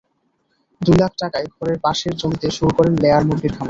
দুই লাখ টাকায় ঘরের পাশের জমিতে শুরু করেন লেয়ার মুরগির খামার।